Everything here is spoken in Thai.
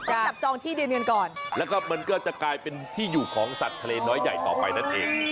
จับจองที่เดือนเงินก่อนแล้วก็มันก็จะกลายเป็นที่อยู่ของสัตว์ทะเลน้อยใหญ่ต่อไปนั่นเอง